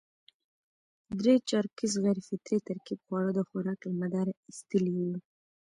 درې چارکیز غیر فطري ترکیب خواړه د خوراک له مداره اېستلي وو.